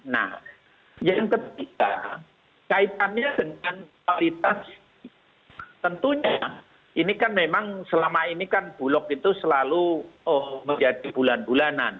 nah yang ketiga kaitannya dengan kualitas tentunya ini kan memang selama ini kan bulog itu selalu menjadi bulan bulanan